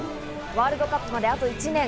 ワールドカップまであと１年。